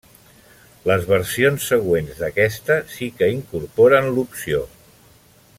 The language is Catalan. Les versions següents d'aquesta sí que incorporen l'opció.